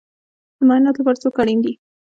د معایناتو لپاره څوک اړین دی؟